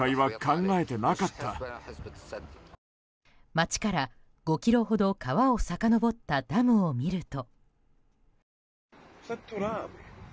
街から５ｋｍほど川をさかのぼったダムを見ると。